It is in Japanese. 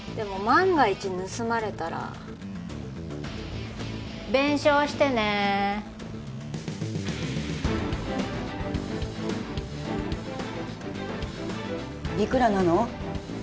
万が一盗まれたら弁償してねいくらなの？